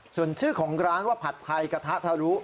ส่วนชื่อของร้านว่าผัดไทยกระทะทะลุ